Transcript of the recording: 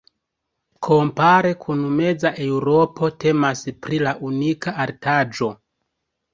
Kompare kun meza Eŭropo temas pri la unika artaĵo.